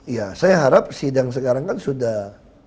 ya saya harap sidang sekarang kan sudah